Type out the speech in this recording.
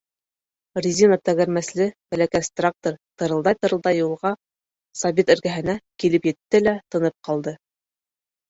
Резина тәгәрмәсле бәләкәс трактор тырылдай-тырылдай юлға, Сабит эргәһенә, килеп етте лә тынып ҡалды.